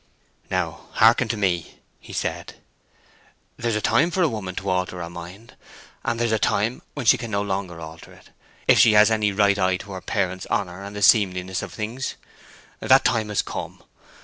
"Now, hearken to me," he said. "There's a time for a woman to alter her mind; and there's a time when she can no longer alter it, if she has any right eye to her parents' honor and the seemliness of things. That time has come.